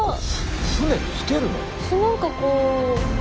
船着けるの？